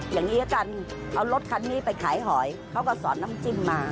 อย่างนี้ละกันเอารถคันนี้ไปขายหอยเขาก็สอนน้ำจิ้มมา